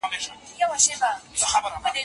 رحیم چیغې وهلې او پاڼه غلې وه.